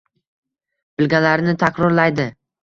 bilganlarini takrorlaydi.